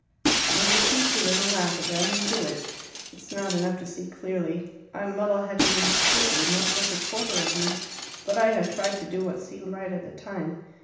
And you see through them and laugh at them and do it. It's not enough to see clearly; I'm muddle headed and stupid, and not worth a quarter of you, but I have tried to do what seemed right at the time.